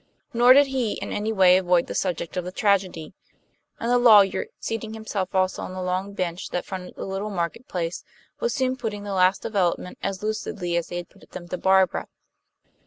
Nor did he in any way avoid the subject of the tragedy; and the lawyer, seating himself also on the long bench that fronted the little market place, was soon putting the last developments as lucidly as he had put them to Barbara.